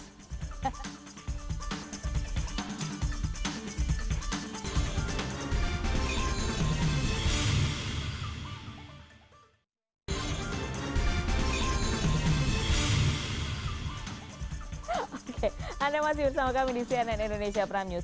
oke anda masih bersama kami di cnn indonesia prime news